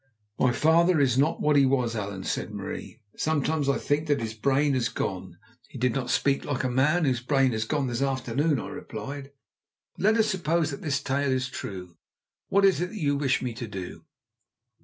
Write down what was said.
"My father is not what he was, Allan," said Marie. "Sometimes I think that his brain has gone." "He did not speak like a man whose brain has gone this afternoon," I replied. "But let us suppose that this tale is true, what is it that you wish me to do?"